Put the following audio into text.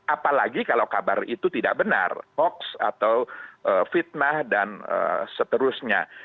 apalagi kalau kabar itu tidak benar hoax atau fitnah dan seterusnya